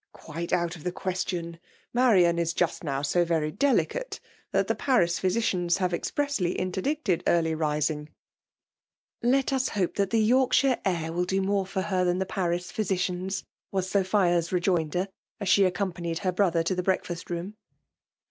*'*' Quite out of the question! Marian is just VlOiAtM DOMIN AfRON. 1^9 AQWifio V£pry ^|elicflte> thttt the Paris physieiatts have expressly mterdieted, early ming.*' "Let ulr hope that the Yorkshire air mil do more for her than the Paris physicians/' was SophiaV vejoioder, as she accompanied her brother to the bteakfast room.